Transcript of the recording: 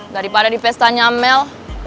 daripada di pesta nyamel